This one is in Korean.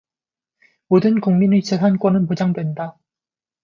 모든 국민의 재산권은 보장된다.